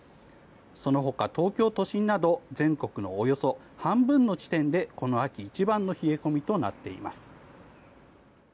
そのほか東京都心など全国のおよそ半分の地点でこの秋一番の冷え込みとなっています。